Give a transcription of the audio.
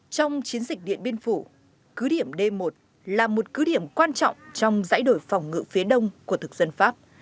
trong chiến dịch điện biên phủ cư điểm đêm một là một cư điểm quan trọng trong giải đổi phòng ngự phía đông của thực dân pháp